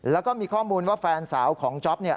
แล้วก็มีข้อมูลว่าแฟนสาวของจ๊อปเนี่ย